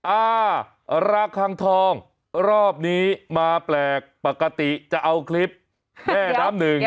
อ่าราคังทองรอบนี้มาแปลกปกติจะเอาคลิปแม่น้ำหนึ่ง